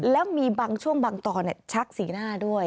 แล้วมีบางช่วงบางตอนชักสีหน้าด้วย